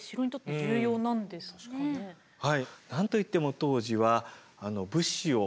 はい。